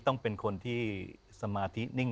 ต้องเป็นคนที่สมาธินิ่ง